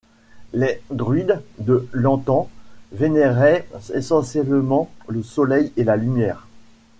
Les Druides de Lantan vénéraient essentiellement le soleil et la lumière.